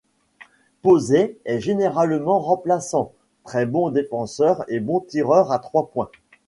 Posey est généralement remplaçant, très bon défenseur et bon tireur à trois points.